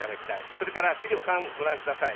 それから資料３、ご覧ください。